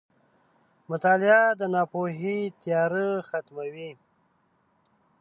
• مطالعه د ناپوهۍ تیاره ختموي.